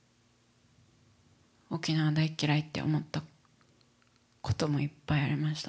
沖縄大っ嫌いって思ったこともいっぱいありました。